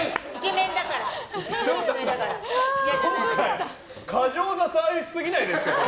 今回、過剰なサービスすぎないですか？